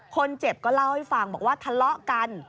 คนเจ็บก็เล่าให้ฟังบอกว่าทะเลาะกัน